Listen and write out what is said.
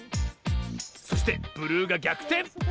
そしてブルーがぎゃくてん！